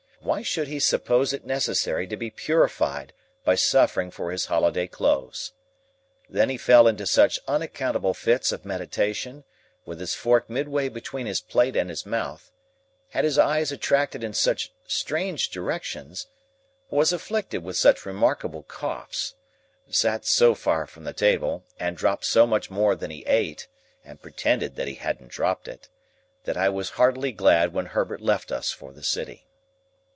Why should he suppose it necessary to be purified by suffering for his holiday clothes? Then he fell into such unaccountable fits of meditation, with his fork midway between his plate and his mouth; had his eyes attracted in such strange directions; was afflicted with such remarkable coughs; sat so far from the table, and dropped so much more than he ate, and pretended that he hadn't dropped it; that I was heartily glad when Herbert left us for the City.